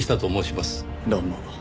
どうも。